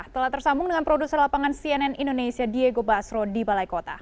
telah tersambung dengan produser lapangan cnn indonesia diego basro di balai kota